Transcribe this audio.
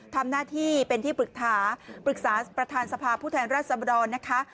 ทำหน้าที่เป็นที่ปรึกษาประธานสภาผู้แทนรัฐสมดรนะคะ